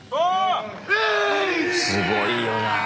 すごいよなぁ